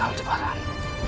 hal di barang